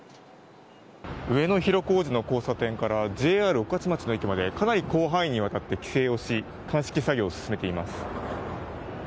上野広小路の交差点からＪＲ御徒町の駅までかなり広範囲にわたって規制をし鑑識作業を進めています。